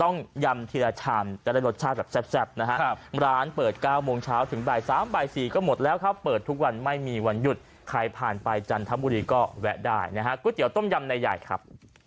นะฮะร้านเปิด๙โมงเช้าถึงบ่าย๓บ่าย๔ก็หมดแล้วครับเปิดทุกวันไม่มีวันหยุดใครผ่านไปจันทบุรีก็แวะได้นะฮะกุ้งเตี๋ยวต้มยำในใหญ่ครับ